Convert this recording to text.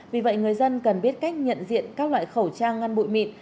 vì vậy người dân cần biết cách nhận diện các loại khẩu trang ngăn bụi mịn